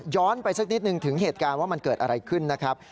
ไปสักนิดนึงถึงเหตุการณ์ว่ามันเกิดอะไรขึ้นนะครับ